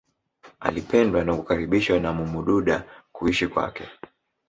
Alipendwa na kukaribishwa na Mwamududa kuishi kwake